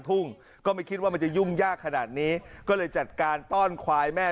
ทุ่งก็ไม่คิดว่ามันจะยุ่งยากขนาดนี้ก็เลยจัดการต้อนควายแม่